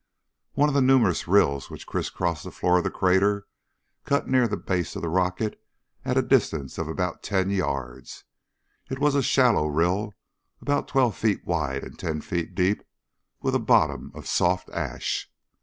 One of the numerous rills which crisscrossed the floor of the crater cut near the base of the rocket at a distance of about ten yards. It was a shallow rill, about twelve feet wide and ten feet deep, with a bottom of soft ash.